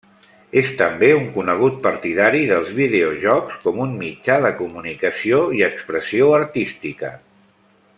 És també un conegut partidari dels videojocs com un mitjà de comunicació i expressió artística.